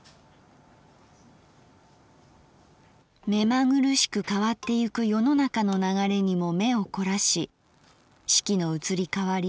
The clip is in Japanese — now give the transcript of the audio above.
「めまぐるしく変ってゆく世の中の流れにも眼を凝らし四季の移り変り